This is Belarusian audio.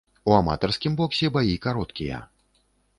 У аматарскім боксе баі кароткія.